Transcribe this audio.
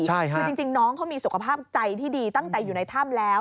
คือจริงน้องเขามีสุขภาพใจที่ดีตั้งแต่อยู่ในถ้ำแล้ว